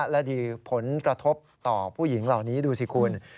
และดีผลกระทบต่อผู้หญิงเหล่านี้ดูสิคุณ